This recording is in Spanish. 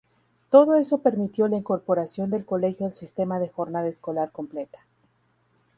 Todo eso permitió la incorporación del colegio al sistema de Jornada escolar completa.